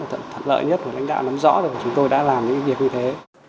thật lợi nhất và lãnh đạo nắm rõ là chúng tôi đã làm những việc như thế